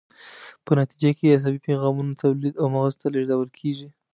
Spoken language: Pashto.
په نتیجه کې یې عصبي پیغامونه تولید او مغز ته لیږدول کیږي.